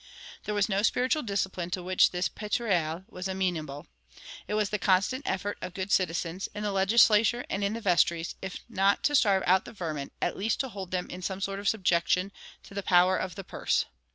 There was no spiritual discipline to which this prêtraille was amenable.[148:1] It was the constant effort of good citizens, in the legislature and in the vestries, if not to starve out the vermin, at least to hold them in some sort of subjection to the power of the purse.